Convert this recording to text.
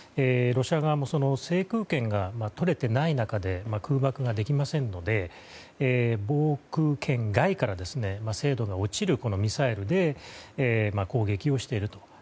ロシア側も制空権が取れていない中で空爆ができませんので防空圏外から精度が落ちるミサイルで攻撃をしている。